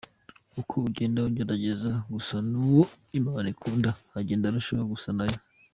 Uko ugenda ugerageza gusa n’uwo Imana ikunda, ugenda urushaho gusa nayo.